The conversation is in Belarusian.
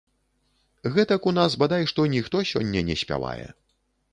Гэтак у нас, бадай што, ніхто сёння не спявае.